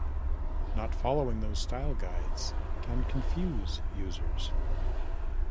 Not following those style guides can confuse users.